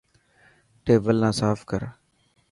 ٽيبل نا ساف ڪر.